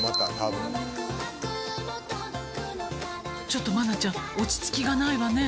「ちょっと愛菜ちゃん落ち着きがないわね」